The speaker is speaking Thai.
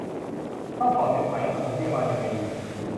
ต้องถอดเล็บไหม ปฐมพยาบาลยังไงดี